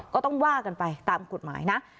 ก็ต้องว่ากันไปตามกฎหมายนะ